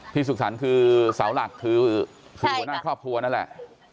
พี่ศุกรรมคือสาวหลักคือคอบครัวนั่นแหละ